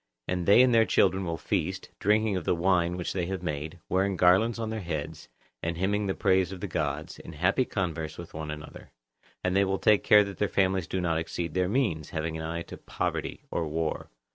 And they and their children will feast, drinking of the wine which they have made, wearing garlands on their heads, and hymning the praises of the gods, in happy converse with one another. And they will take care that their families do not exceed their means; having an eye to poverty or war.